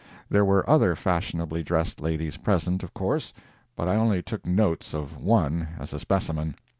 There were other fashionably dressed ladies present, of course, but I only took notes of one, as a specimen.